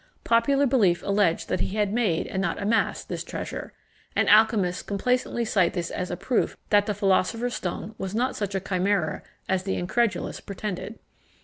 Popular belief alleged that he had made, and not amassed, this treasure; and alchymists complacently cite this as a proof that the philosopher's stone was not such a chimera as the incredulous pretended.